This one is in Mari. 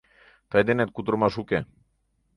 Тый денет кутырымаш уке.